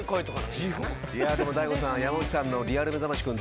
でも大悟さん山内さんのリアルめざましくん